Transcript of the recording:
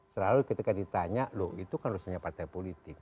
selalu ketika ditanya loh itu kan harusnya partai politik